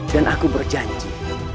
dan aku berjanji